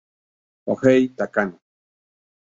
Kohei Takano